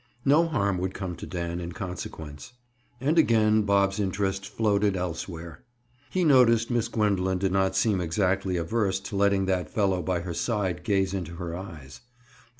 No harm would come to Dan in consequence. And again Bob's interest floated elsewhere. He noticed Miss Gwendoline did not seem exactly averse to letting that fellow by her side gaze into her eyes.